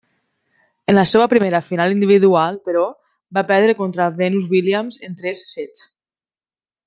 En la seva primera final individual però, va perdre contra Venus Williams en tres sets.